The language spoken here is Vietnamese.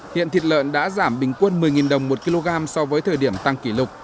hiện thịt lợn đã giảm bình quân một mươi đồng một kg so với thời điểm tăng kỷ lục